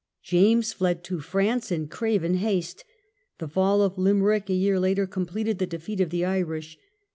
James fled to France in craven haste. The fall of Limerick a year later completed the defeat of the Irish.